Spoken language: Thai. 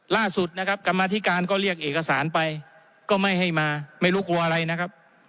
ล่าสุดนะครับกรรมธิการก็เรียกเอกสารไปก็ไม่ให้มาไม่รู้กลัวอะไรนะครับ